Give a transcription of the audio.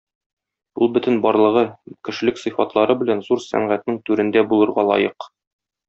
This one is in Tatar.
Ул бөтен барлыгы, кешелек сыйфатлары белән зур сәнгатьнең түрендә булырга лаек.